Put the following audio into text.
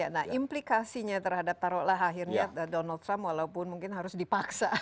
nah implikasinya terhadap taruhlah akhirnya donald trump walaupun mungkin harus dipaksa